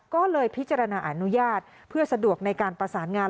ก็เลยพิจารณาอนุญาตเพื่อสะดวกในการประสานงาน